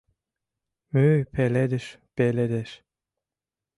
Мӱй пеледыш пеледеш.